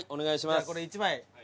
じゃこれ１枚。